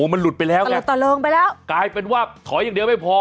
มันหลุดไปแล้วกระโดดต่อเริงไปแล้วกลายเป็นว่าถอยอย่างเดียวไม่พอ